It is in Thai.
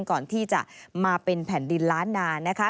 ก่อนที่จะมาเป็นแผ่นดินล้านนานะคะ